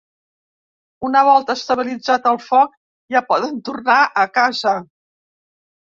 Una volta estabilitzat el foc, ja poden tornar a casa.